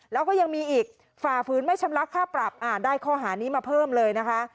แล้วก็ยังมีอีกฝ่าฝืนไม่ชำระค่าปรับได้ข้อหานี้มาเพิ่มเลยนะคะ